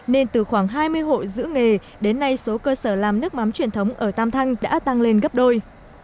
nên từ khoảng hai mươi hộ giữ nghề đến nay số cơ sở làm nước mắm truyền thống ở tam thanh đã tăng lên gấp đôi